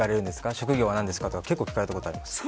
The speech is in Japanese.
職業なんですか？とか聞かれたことあります。